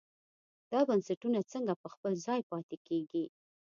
دا بنسټونه څنګه په خپل ځای پاتې کېږي.